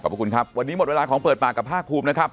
ขอบคุณครับวันนี้หมดเวลาของเปิดปากกับภาคภูมินะครับ